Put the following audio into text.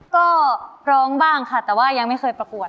ก็ร้องบ้างค่ะแต่ว่ายังไม่เคยประกวด